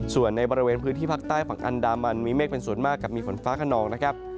ส่วนในบริเวณพื้นที่ภาคใต้ฝั่งอันดามันมีเมฆเป็นส่วนมากกับมีฝนฟ้าขนองนะครับ